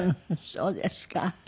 そうですか。